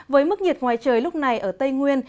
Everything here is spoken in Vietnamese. với mức nhiệt ngoài trời lúc này ở tây nguyên